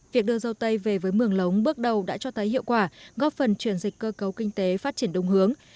việc đưa dâu tây về với mường lống bước đầu đã cho thấy hiệu quả góp phần truyền dịch cơ cấu kinh tế phát triển đúng hướng